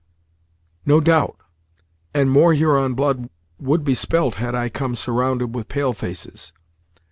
"No doubt; and more Huron blood would be spilt had I come surrounded with pale faces.